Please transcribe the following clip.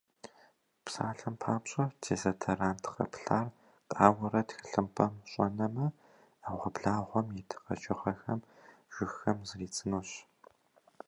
Псалъэм папщӏэ, дезодорант къэплъар къауэрэ тхылъымпӏэм щӏэнэмэ, ӏэгъуэблагъэм ит къэкӏыгъэхэм, жыгхэм зридзынущ.